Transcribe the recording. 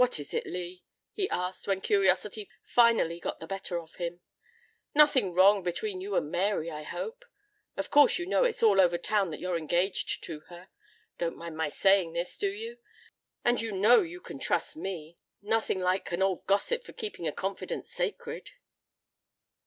"What is it, Lee?" he asked when curiosity finally got the better of him. "Nothing wrong between you and Mary, I hope? Of course you know it's all over town that you're engaged to her. Don't mind my saying this, do you? And you know you can trust me. Nothing like an old gossip for keeping a confidence sacred."